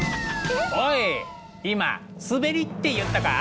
おい今「滑り」って言ったか？